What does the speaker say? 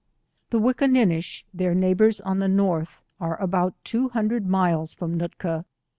The Wickinnish, their neighbours on the Norfh, are about two hundred miles from Nootka.